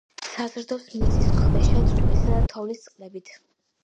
საზრდოობს მიწისქვეშა, წვიმისა და თოვლის წყლებით.